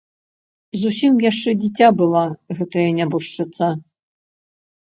Зусім яшчэ дзіця была гэтая нябожчыца.